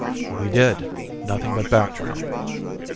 "We did. Nothing but background."